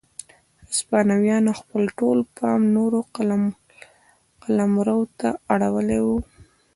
هسپانویانو خپل ټول پام نورو قلمرو ته اړولی و.